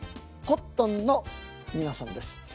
コットンの皆さんです。